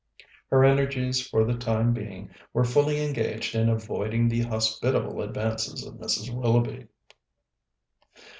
Her energies for the time being were fully engaged in avoiding the hospitable advances of Mrs. Willoughby.